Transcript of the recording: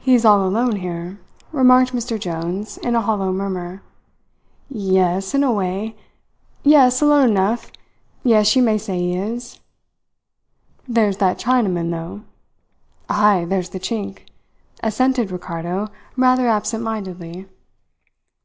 "He's all alone here," remarked Mr. Jones in a hollow murmur. "Ye es, in a way. Yes, alone enough. Yes, you may say he is." "There's that Chinaman, though." "Ay, there's the Chink," assented Ricardo rather absentmindedly.